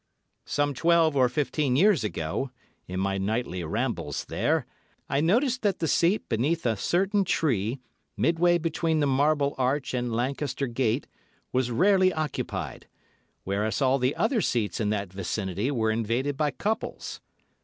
Some twelve or fifteen years ago, in my nightly rambles there, I noticed that the seat beneath a certain tree, mid way between the Marble Arch and Lancaster Gate, was rarely occupied, whereas all the other seats in that vicinity were invaded by couples.